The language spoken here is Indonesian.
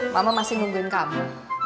mama masih nungguin kamu